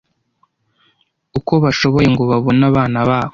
uko bashoboye ngo babone abana babo